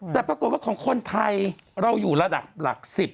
แต่ปรากฏว่าของคนไทยเราอยู่ระดับหลัก๑๐